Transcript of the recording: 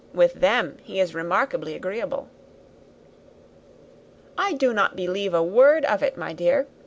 With them he is remarkably agreeable." "I do not believe a word of it, my dear.